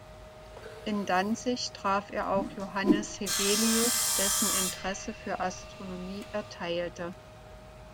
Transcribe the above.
In Danzig traf er auch Johannes Hevelius, dessen Interesse für Astronomie er teilte.